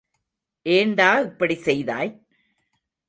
ஏண்டா இப்படி செய்தாய்?